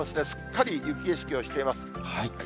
すっかり雪景色をしています。